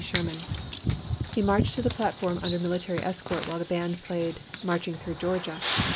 Sherman. He marched to the platform under military escort, while the band played "Marching through Georgia."